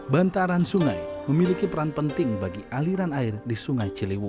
bantaran sungai memiliki peran penting bagi aliran air di sungai ciliwung